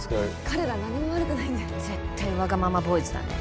彼らは何も悪くないんで絶対わがままボーイズだね